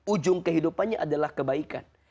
ujung kehidupannya adalah kebaikan